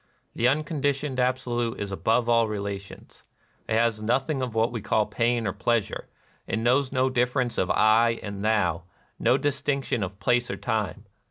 The unconditioned Absolute is above all relations : it has nothing of what we call pain or pleasure ; it knows no differ ence of " I " and " thou," — no distinction of place or time.